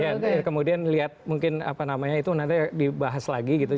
iya kemudian lihat mungkin apa namanya itu nanti dibahas lagi gitu